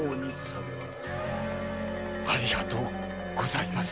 ありがとうございます。